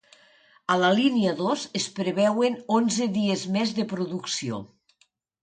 A la línia dos es preveuen onze dies més de producció.